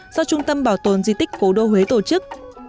do trung tâm bảo tồn di tích cố đô huế tổ chức